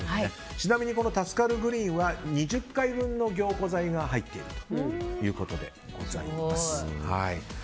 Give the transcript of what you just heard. ちなみにこのタスカルグリーンは２０回分の凝固剤が入っているということです。